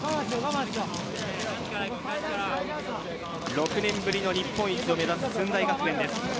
６年ぶりの日本一を目指す駿台学園です。